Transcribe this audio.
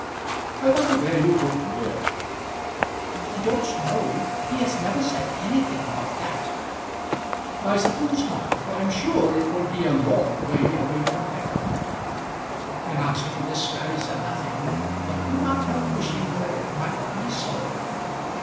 "I wonder where you'll go to live." "I don't know. He has never said anything about that." "I suppose not; but I'm sure it will be a long way away from Peckham." In answer to this Mary said nothing, but could not help wishing that it might be so.